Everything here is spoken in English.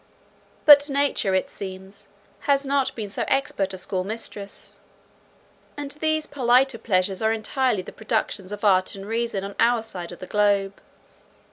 But nature, it seems, has not been so expert a school mistress; and these politer pleasures are entirely the productions of art and reason on our side of the globe.